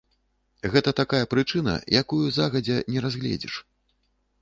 Гэта такая прычына, якую загадзя і не разгледзіш.